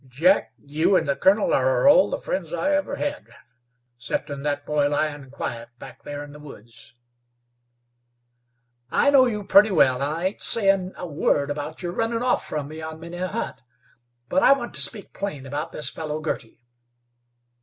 "Jack, you an' the colonel are all the friends I ever hed, 'ceptin' that boy lyin' quiet back there in the woods." "I know you pretty well, and ain't sayin' a word about your runnin' off from me on many a hunt, but I want to speak plain about this fellow Girty."